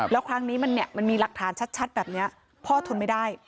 แล้วครั้งนี้มันมีหลักฐานชัดแบบนี้พ่อทนไม่ได้